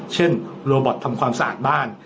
เช่นโรบอตทำความสะอาดบ้าน